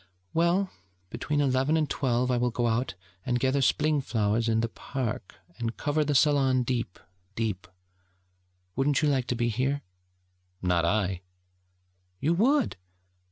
'Well, between eleven and twelve I will go out and gather Spling flowers in the park, and cover the salon deep, deep. Wouldn't you like to be here?' 'Not I.' 'You would!'